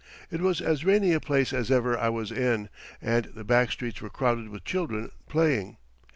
It was as rainy a place as ever I was in, and the back streets were crowded with children playing.